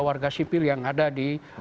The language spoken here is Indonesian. warga sipil yang ada di